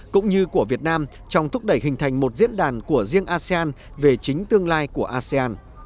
cũng như của việt nam trong thúc đẩy hình thành một diễn đàn của riêng asean về chính tương lai của asean